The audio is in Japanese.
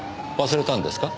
忘れたんですか？